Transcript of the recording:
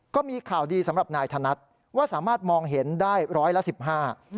ก็มีข่าวดีสำหรับนายธนัดว่าสามารถมองเห็นได้ร้อยละสิบห้า